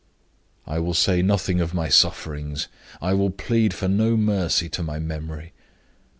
"I will say nothing of my sufferings; I will plead for no mercy to my memory.